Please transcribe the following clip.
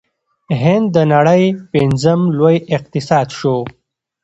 هند د نړۍ پنځم لوی اقتصاد شو.